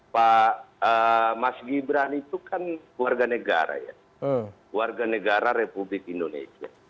pak mas gibran itu kan warga negara ya warga negara republik indonesia